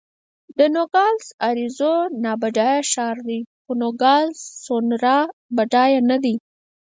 د نوګالس اریزونا بډایه ښار دی، خو نوګالس سونورا بډایه نه دی.